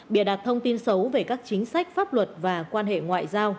bịa đặt thông tin xấu về các chính sách pháp luật và quan hệ ngoại giao